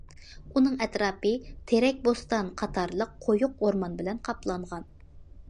ئۇنىڭ ئەتراپى‹‹ تېرەك بوستان›› قاتارلىق قويۇق ئورمان بىلەن قاپلانغان.